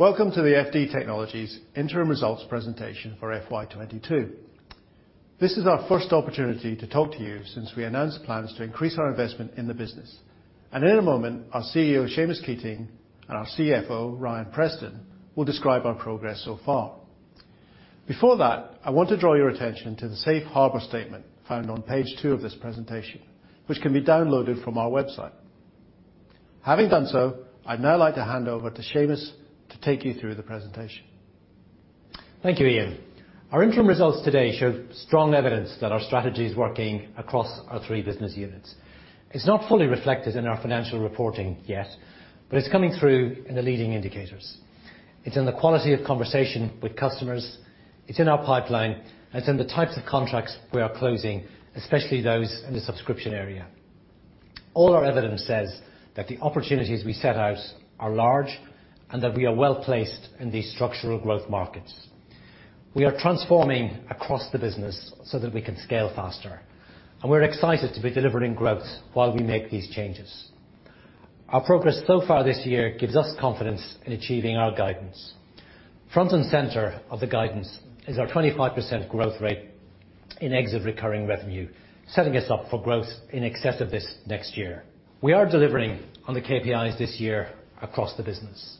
Welcome to the FD Technologies Interim Results presentation for FY 2022. This is our first opportunity to talk to you since we announced plans to increase our investment in the business. In a moment, our CEO, Seamus Keating, and our CFO, Ryan Preston, will describe our progress so far. Before that, I want to draw your attention to the Safe Harbor statement found on page two of this presentation, which can be downloaded from our website. Having done so, I'd now like to hand over to Seamus to take you through the presentation. Thank you, Ian. Our interim results today show strong evidence that our strategy is working across our three business units. It's not fully reflected in our financial reporting yet, but it's coming through in the leading indicators. It's in the quality of conversation with customers, it's in our pipeline, and it's in the types of contracts we are closing, especially those in the subscription area. All our evidence says that the opportunities we set out are large and that we are well-placed in these structural growth markets. We are transforming across the business so that we can scale faster, and we're excited to be delivering growth while we make these changes. Our progress so far this year gives us confidence in achieving our guidance. Front and center of the guidance is our 25% growth rate in exit recurring revenue, setting us up for growth in excess of this next year. We are delivering on the KPIs this year across the business.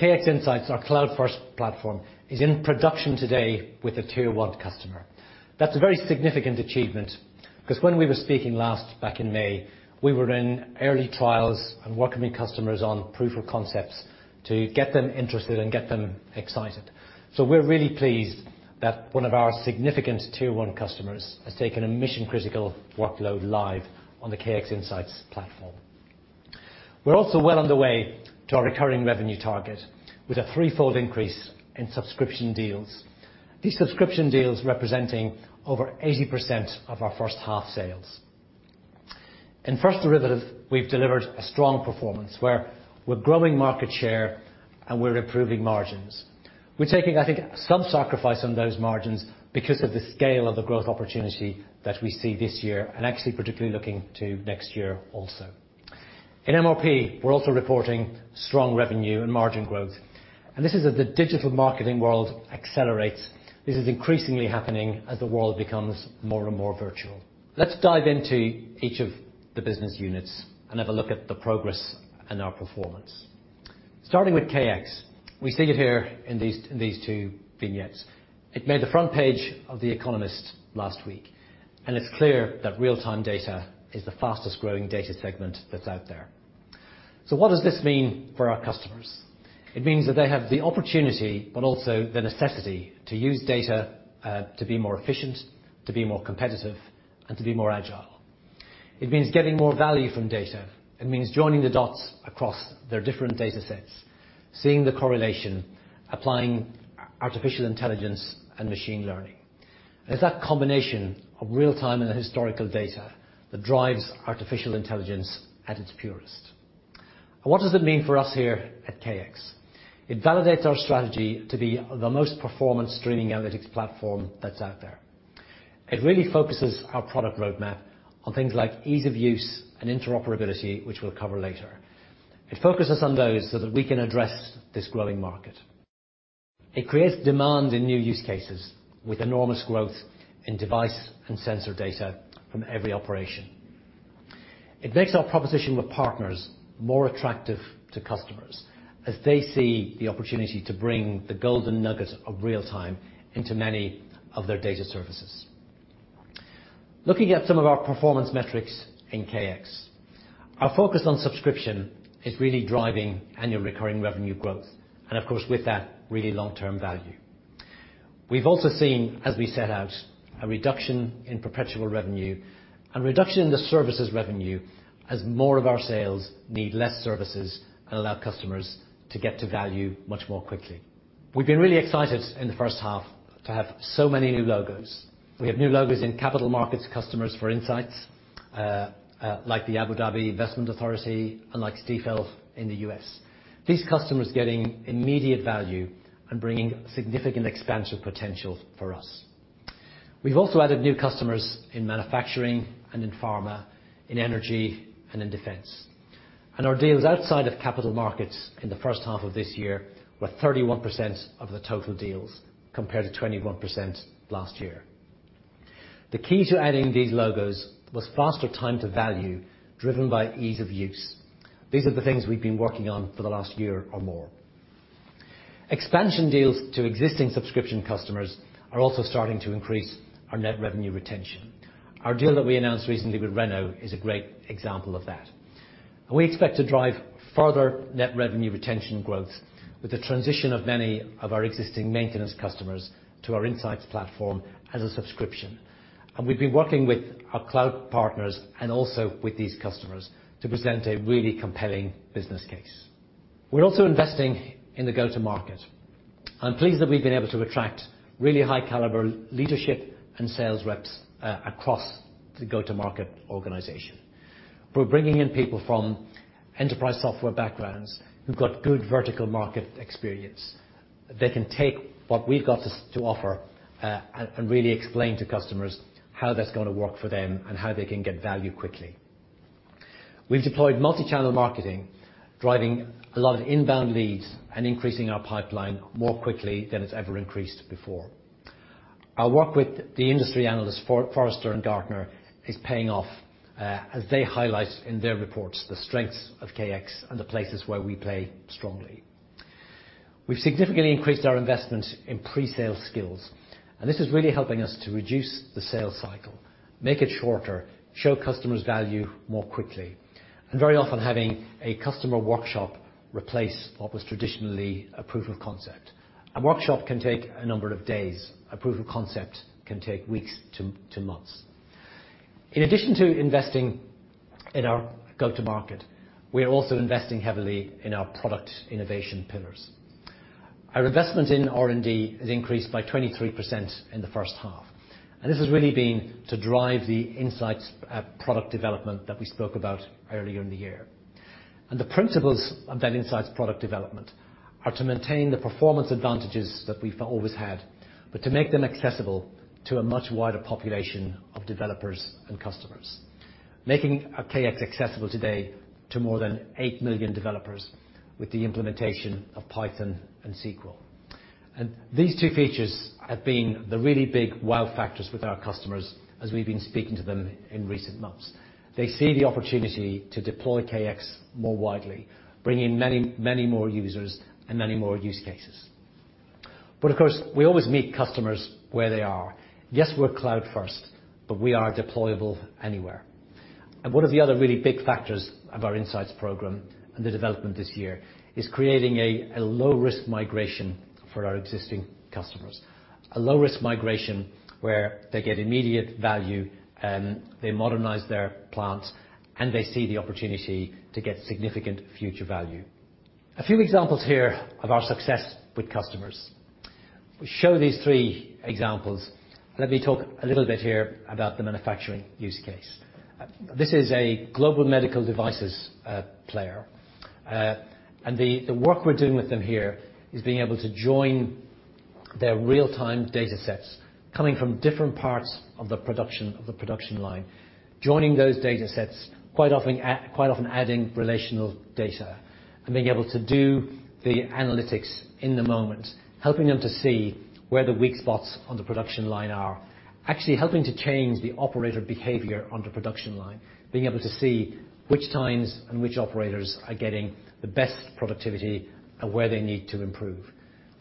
KX Insights, our cloud-first platform, is in production today with a Tier-1 customer. That's a very significant achievement, 'cause when we were speaking last back in May, we were in early trials and welcoming customers on proof of concepts to get them interested and get them excited. We're really pleased that one of our significant tier-one customers has taken a mission-critical workload live on the KX Insights platform. We're also well on the way to our recurring revenue target with a threefold increase in subscription deals representing over 80% of our first-half sales. In First Derivative, we've delivered a strong performance where we're growing market share and we're improving margins. We're taking, I think, some sacrifice on those margins because of the scale of the growth opportunity that we see this year, and actually particularly looking to next year also. In MRP, we're also reporting strong revenue and margin growth. This is as the digital marketing world accelerates. This is increasingly happening as the world becomes more and more virtual. Let's dive into each of the business units and have a look at the progress and our performance. Starting with KX, we see it here in these, in these two vignettes. It made the front page of The Economist last week, and it's clear that real-time data is the fastest-growing data segment that's out there. What does this mean for our customers? It means that they have the opportunity but also the necessity to use data to be more efficient, to be more competitive, and to be more agile. It means getting more value from data. It means joining the dots across their different data sets, seeing the correlation, applying artificial intelligence and machine learning. It's that combination of real-time and the historical data that drives artificial intelligence at its purest. What does it mean for us here at KX? It validates our strategy to be the most performant streaming analytics platform that's out there. It really focuses our product roadmap on things like ease of use and interoperability, which we'll cover later. It focuses on those so that we can address this growing market. It creates demand in new use cases with enormous growth in device and sensor data from every operation. It makes our proposition with partners more attractive to customers as they see the opportunity to bring the golden nugget of real-time into many of their data services. Looking at some of our performance metrics in KX, our focus on subscription is really driving annual recurring revenue growth, and of course, with that, really long-term value. We've also seen, as we set out, a reduction in perpetual revenue and reduction in the services revenue as more of our sales need less services and allow customers to get to value much more quickly. We've been really excited in the first half to have so many new logos. We have new logos in capital markets customers for Insights, like the Abu Dhabi Investment Authority and like Stifel in the U.S., these customers getting immediate value and bringing significant expansive potential for us. We've also added new customers in manufacturing and in pharma, in energy and in defense. Our deals outside of capital markets in the first half of this year were 31% of the total deals, compared to 21% last year. The key to adding these logos was faster time to value, driven by ease of use. These are the things we've been working on for the last year or more. Expansion deals to existing subscription customers are also starting to increase our net revenue retention. Our deal that we announced recently with Renault is a great example of that. We expect to drive further net revenue retention growth with the transition of many of our existing maintenance customers to our Insights platform as a subscription. We've been working with our cloud partners and also with these customers to present a really compelling business case. We're also investing in the go-to-market. I'm pleased that we've been able to attract really high-caliber leadership and sales reps across the go-to-market organization. We're bringing in people from enterprise software backgrounds who've got good vertical market experience. They can take what we've got to offer and really explain to customers how that's gonna work for them and how they can get value quickly. We've deployed multi-channel marketing, driving a lot of inbound leads and increasing our pipeline more quickly than it's ever increased before. Our work with the industry analysts Forrester and Gartner is paying off as they highlight in their reports the strengths of KX and the places where we play strongly. We've significantly increased our investment in pre-sale skills, and this is really helping us to reduce the sales cycle, make it shorter, show customers value more quickly, and very often having a customer workshop replace what was traditionally a proof of concept. A workshop can take a number of days. A proof of concept can take weeks to months. In addition to investing in our go-to-market, we are also investing heavily in our product innovation pillars. Our investment in R&D has increased by 23% in the first half. This has really been to drive the insights product development that we spoke about earlier in the year. The principles of that insights product development are to maintain the performance advantages that we've always had, but to make them accessible to a much wider population of developers and customers. Making KX accessible today to more than 8 million developers with the implementation of Python and SQL. These two features have been the really big wow factors with our customers as we've been speaking to them in recent months. They see the opportunity to deploy KX more widely, bringing many, many more users and many more use cases. Of course, we always meet customers where they are. Yes, we're cloud first, but we are deployable anywhere. One of the other really big factors of our KX Insights program and the development this year is creating a low-risk migration for our existing customers. A low-risk migration where they get immediate value, they modernize their platform, and they see the opportunity to get significant future value. A few examples here of our success with customers. We show these three examples. Let me talk a little bit here about the manufacturing use case. This is a global medical devices player. The work we're doing with them here is being able to join their real-time datasets coming from different parts of the production line. Joining those datasets, quite often adding relational data, and being able to do the analytics in the moment, helping them to see where the weak spots on the production line are. Actually helping to change the operator behavior on the production line, being able to see which times and which operators are getting the best productivity and where they need to improve.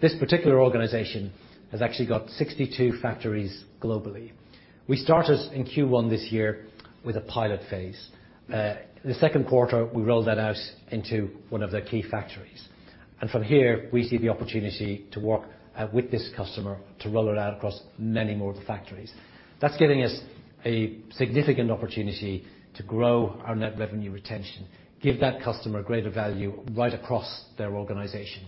This particular organization has actually got 62 factories globally. We started in Q1 this year with a pilot phase. The second quarter, we rolled that out into one of their key factories. From here, we see the opportunity to work with this customer to roll it out across many more of the factories. That's giving us a significant opportunity to grow our net revenue retention, give that customer greater value right across their organization.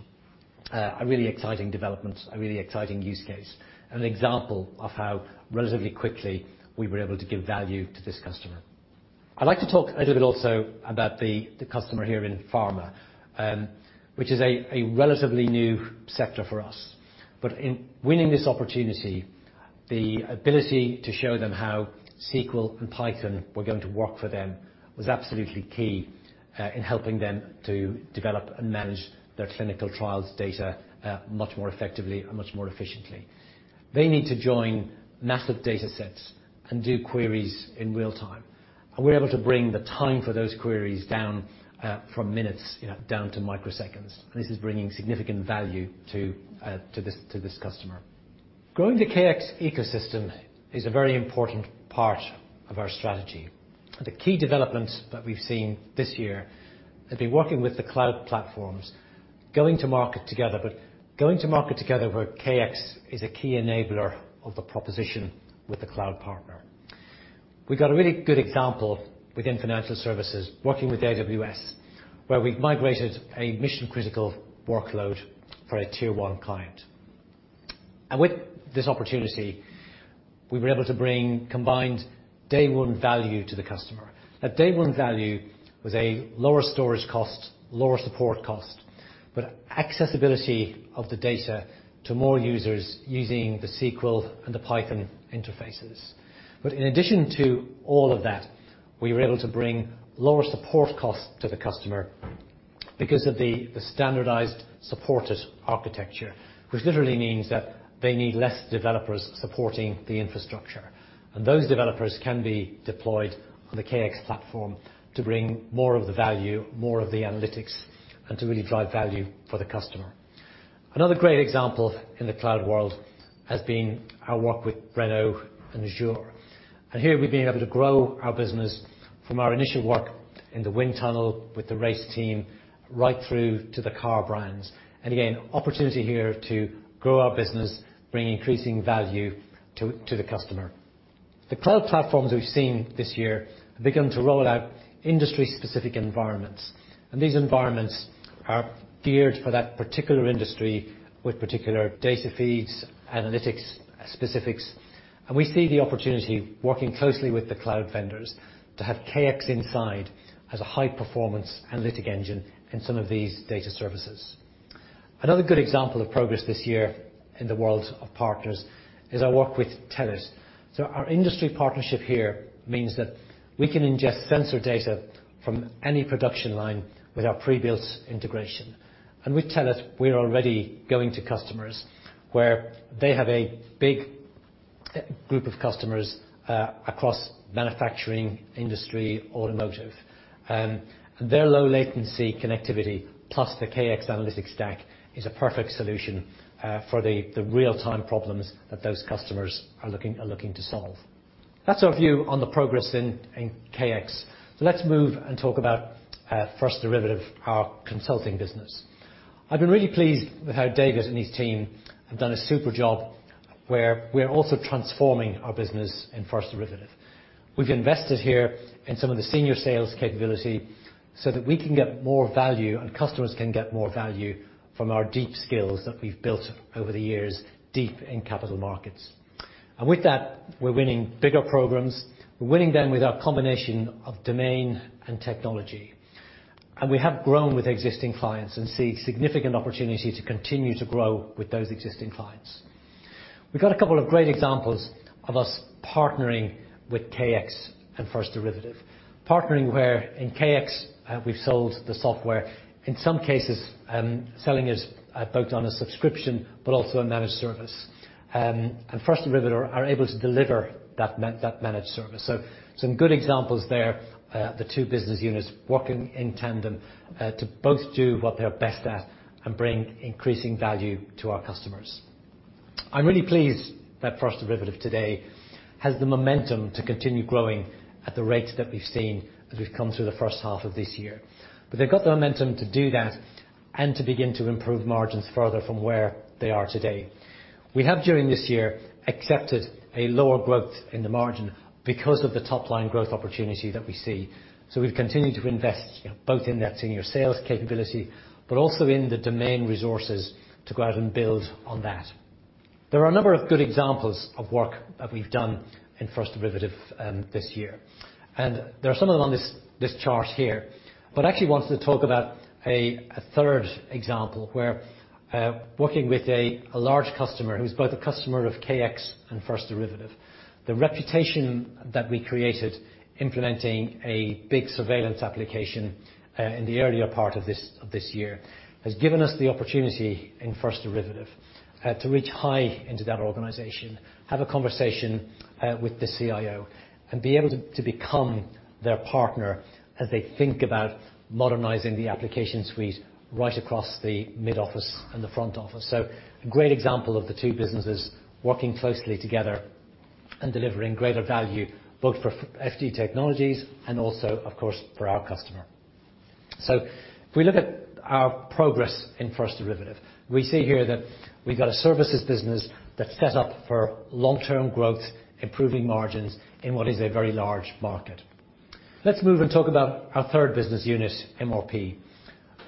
A really exciting development, a really exciting use case, and an example of how relatively quickly we were able to give value to this customer. I'd like to talk a little bit also about the customer here in pharma, which is a relatively new sector for us. In winning this opportunity, the ability to show them how SQL and Python were going to work for them was absolutely key in helping them to develop and manage their clinical trials data much more effectively and much more efficiently. They need to join massive datasets and do queries in real time. We're able to bring the time for those queries down, from minutes, you know, down to microseconds. This is bringing significant value to this customer. Growing the KX ecosystem is a very important part of our strategy. The key developments that we've seen this year have been working with the cloud platforms, going to market together, but going to market together where KX is a key enabler of the proposition with the cloud partner. We got a really good example within financial services, working with AWS, where we migrated a mission-critical workload for a tier one client. With this opportunity, we were able to bring combined day one value to the customer. That day one value was a lower storage cost, lower support cost, but accessibility of the data to more users using the SQL and the Python interfaces. In addition to all of that, we were able to bring lower support costs to the customer because of the standardized supported architecture, which literally means that they need less developers supporting the infrastructure. Those developers can be deployed on the KX platform to bring more of the value, more of the analytics, and to really drive value for the customer. Another great example in the cloud world has been our work with Renault and Azure. Here we've been able to grow our business from our initial work in the wind tunnel with the race team right through to the car brands. Again, opportunity here to grow our business, bring increasing value to the customer. The cloud platforms we've seen this year have begun to roll out industry-specific environments. These environments are geared for that particular industry with particular data feeds, analytics specifics. We see the opportunity, working closely with the cloud vendors, to have KX Inside as a high-performance analytic engine in some of these data services. Another good example of progress this year in the world of partners is our work with TELUS. Our industry partnership here means that we can ingest sensor data from any production line with our pre-built integration. With TELUS, we're already going to customers where they have a big group of customers across manufacturing, industry, automotive. Their low latency connectivity plus the KX Analytics stack is a perfect solution for the real-time problems that those customers are looking to solve. That's our view on the progress in KX. Let's move and talk about First Derivative, our consulting business. I've been really pleased with how David and his team have done a super job where we're also transforming our business in First Derivative. We've invested here in some of the senior sales capability so that we can get more value and customers can get more value from our deep skills that we've built over the years, deep in capital markets. With that, we're winning bigger programs. We're winning them with our combination of domain and technology. We have grown with existing clients and see significant opportunity to continue to grow with those existing clients. We've got a couple of great examples of us partnering with KX and First Derivative. Partnering where in KX, we've sold the software, in some cases, selling it, both on a subscription but also a managed service. First Derivative are able to deliver that managed service. Some good examples there, the two business units working in tandem, to both do what they're best at and bring increasing value to our customers. I'm really pleased that First Derivative today has the momentum to continue growing at the rates that we've seen as we've come through the first half of this year. They've got the momentum to do that and to begin to improve margins further from where they are today. We have, during this year, accepted a lower growth in the margin because of the top-line growth opportunity that we see. We've continued to invest both in that senior sales capability, but also in the domain resources to go out and build on that. There are a number of good examples of work that we've done in First Derivative, this year. There are some of them on this chart here, but I actually wanted to talk about a third example where working with a large customer who's both a customer of KX and First Derivative. The reputation that we created implementing a big surveillance application in the earlier part of this year has given us the opportunity in First Derivative to reach high into that organization, have a conversation with the CIO and be able to become their partner as they think about modernizing the application suite right across the middle office and the front office. A great example of the two businesses working closely together and delivering greater value both for FD Technologies and also, of course, for our customer. If we look at our progress in First Derivative, we see here that we've got a services business that's set up for long-term growth, improving margins in what is a very large market. Let's move and talk about our third business unit, MRP.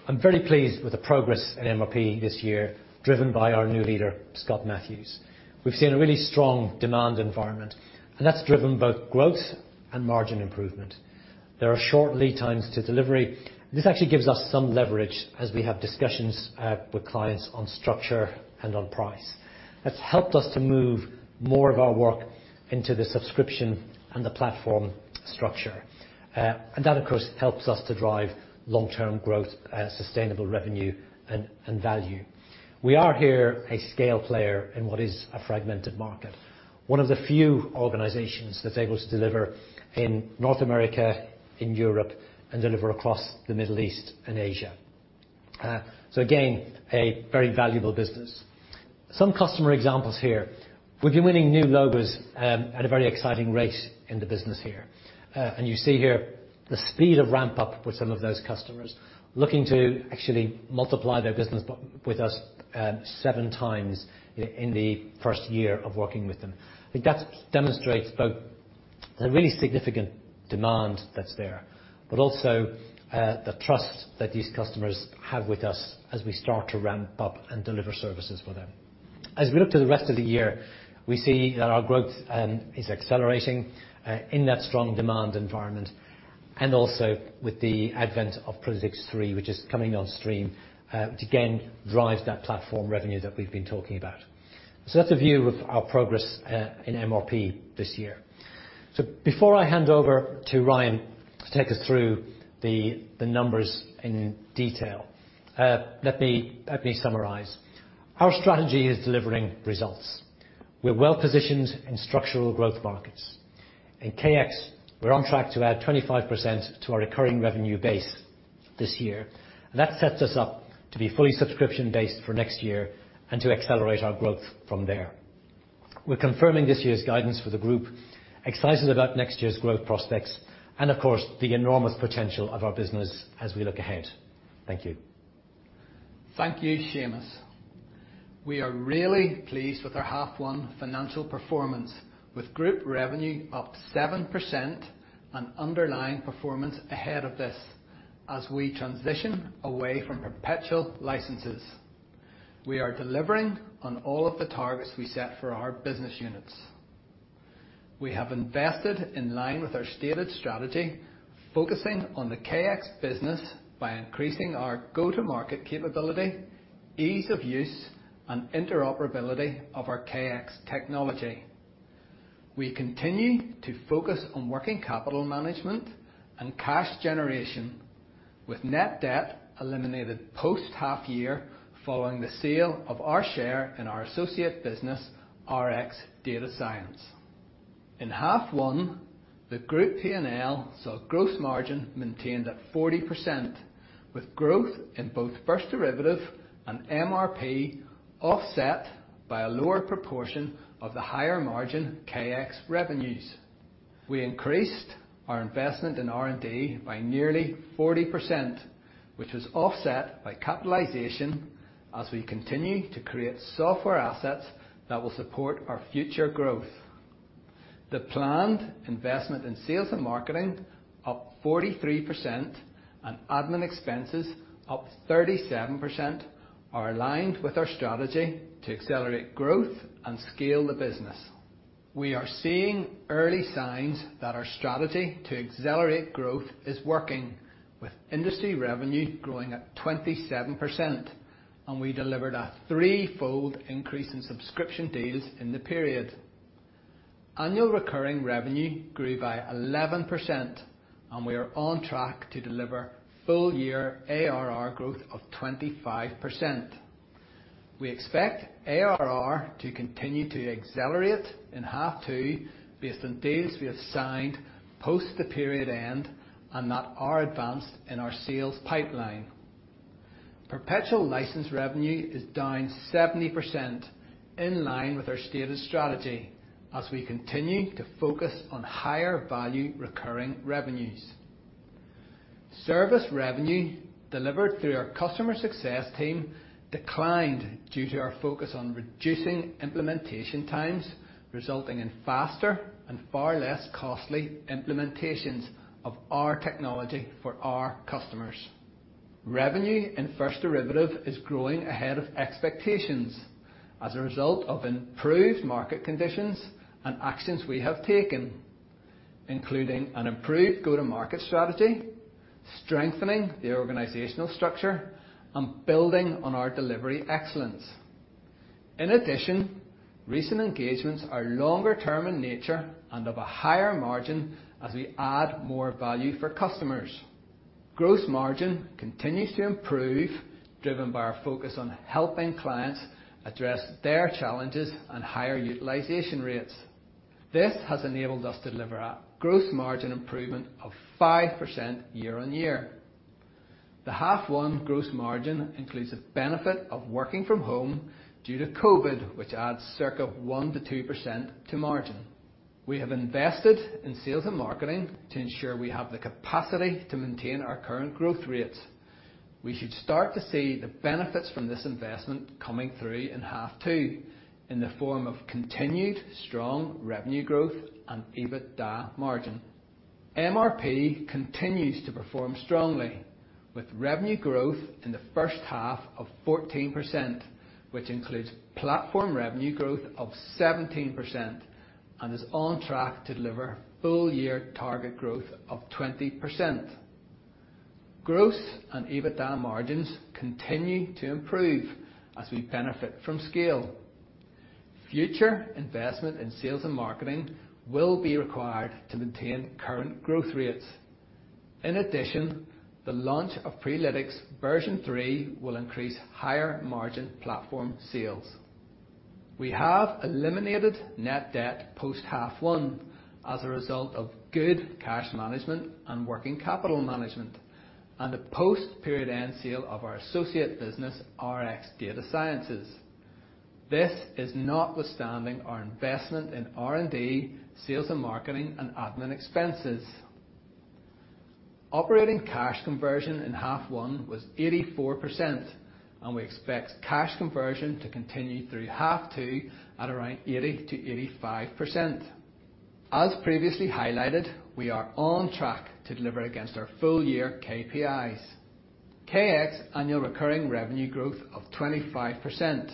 I'm very pleased with the progress at MRP this year, driven by our new leader, Scott Matthews. We've seen a really strong demand environment, and that's driven both growth and margin improvement. There are short lead times to delivery. This actually gives us some leverage as we have discussions with clients on structure and on price. That's helped us to move more of our work into the subscription and the platform structure. And that, of course, helps us to drive long-term growth, sustainable revenue, and value. We are a scale player in what is a fragmented market, one of the few organizations that's able to deliver in North America, in Europe, and deliver across the Middle East and Asia. Again, a very valuable business. Some customer examples here. We've been winning new logos at a very exciting rate in the business here. You see here the speed of ramp-up with some of those customers looking to actually multiply their business with us 7x in the first year of working with them. I think that demonstrates both the really significant demand that's there, but also the trust that these customers have with us as we start to ramp up and deliver services for them. As we look to the rest of the year, we see that our growth is accelerating in that strong demand environment and also with the advent of MRP Prelytix V3, which is coming on stream, which again drives that platform revenue that we've been talking about. That's a view of our progress in MRP this year. Before I hand over to Ryan to take us through the numbers in detail, let me summarize. Our strategy is delivering results. We're well-positioned in structural growth markets. In KX, we're on track to add 25% to our recurring revenue base this year, and that sets us up to be fully subscription-based for next year and to accelerate our growth from there. We're confirming this year's guidance for the group, excited about next year's growth prospects, and of course, the enormous potential of our business as we look ahead. Thank you. Thank you, Seamus. We are really pleased with our half one financial performance, with group revenue up 7% and underlying performance ahead of this as we transition away from perpetual licenses. We are delivering on all of the targets we set for our business units. We have invested in line with our stated strategy, focusing on the KX business by increasing our go-to-market capability, ease of use, and interoperability of our KX technology. We continue to focus on working capital management and cash generation, with net debt eliminated post half year following the sale of our share in our associate business, RxDataScience. In half one, the group P&L saw gross margin maintained at 40% with growth in both First Derivative and MRP offset by a lower proportion of the higher margin KX revenues. We increased our investment in R&D by nearly 40%, which was offset by capitalization as we continue to create software assets that will support our future growth. The planned investment in sales and marketing up 43% and admin expenses up 37% are aligned with our strategy to accelerate growth and scale the business. We are seeing early signs that our strategy to accelerate growth is working with industry revenue growing at 27%, and we delivered a three-fold increase in subscription deals in the period. Annual recurring revenue grew by 11%, and we are on track to deliver full year ARR growth of 25%. We expect ARR to continue to accelerate in half two based on deals we have signed post the period end and that are advanced in our sales pipeline. Perpetual license revenue is down 70% in line with our stated strategy as we continue to focus on higher value recurring revenues. Service revenue delivered through our customer success team declined due to our focus on reducing implementation times, resulting in faster and far less costly implementations of our technology for our customers. Revenue in First Derivative is growing ahead of expectations as a result of improved market conditions and actions we have taken, including an improved go-to-market strategy, strengthening the organizational structure, and building on our delivery excellence. In addition, recent engagements are longer term in nature and of a higher margin as we add more value for customers. Gross margin continues to improve, driven by our focus on helping clients address their challenges and higher utilization rates. This has enabled us to deliver a gross margin improvement of 5% year-on-year. H1 gross margin includes the benefit of working from home due to COVID, which adds circa 1%-2% to margin. We have invested in sales and marketing to ensure we have the capacity to maintain our current growth rates. We should start to see the benefits from this investment coming through in H2 in the form of continued strong revenue growth and EBITDA margin. MRP continues to perform strongly with revenue growth in the first half of 14%, which includes platform revenue growth of 17% and is on track to deliver full year target growth of 20%. Gross and EBITDA margins continue to improve as we benefit from scale. Future investment in sales and marketing will be required to maintain current growth rates. In addition, the launch of Prelytix version 3 will increase higher margin platform sales. We have eliminated net debt post half one as a result of good cash management and working capital management on the post period end sale of our associate business, RxDataScience. This is notwithstanding our investment in R&D, sales and marketing and admin expenses. Operating cash conversion in half one was 84%, and we expect cash conversion to continue through half two at around 80%-85%. As previously highlighted, we are on track to deliver against our full year KPIs. KX annual recurring revenue growth of 25%.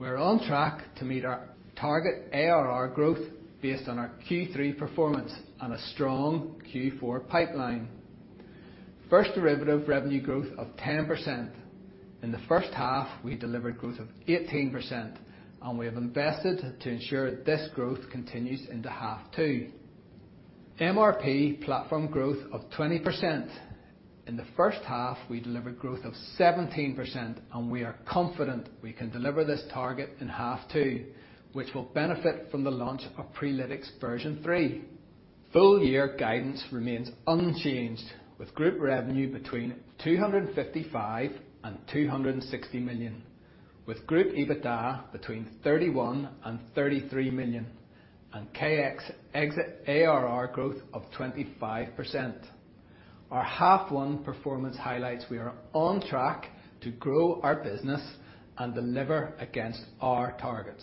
We're on track to meet our target ARR growth based on our Q3 performance and a strong Q4 pipeline. First Derivative revenue growth of 10%. In the first half, we delivered growth of 18%, and we have invested to ensure this growth continues into half two. MRP platform growth of 20%. In the first half, we delivered growth of 17%, and we are confident we can deliver this target in half two, which will benefit from the launch of Prelytix version 3. Full year guidance remains unchanged, with group revenue between 255 million and 260 million, with group EBITDA between 31 million and 33 million, and KX exit ARR growth of 25%. Our half one performance highlights we are on track to grow our business and deliver against our targets.